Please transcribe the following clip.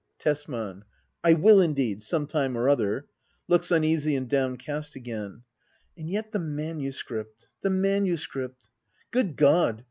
Tesman. I will indeed, some time or other. [Looks uneasy and downcast agcdn.] And yet the manuscript — the manuscript I Good God